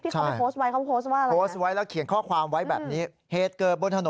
ทำอย่างไรเงี่ยเกิดอุบัติเหตุสิคะ